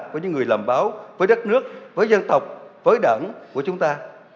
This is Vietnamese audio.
của những người làm báo với đất nước với dân tộc với đảng của chúng ta